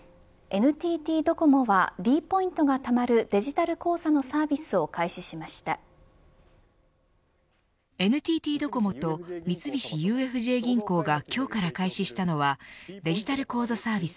ＮＴＴドコモはｄポイントがたまるデジタル口座のサービスをＮＴＴドコモと三菱ＵＦＪ銀行が今日から開始したのはデジタル口座サービス